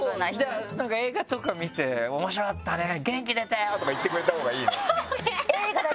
じゃあ何か映画とか見て「面白かったね元気出たよ！」とか言ってくれたほうがいいの？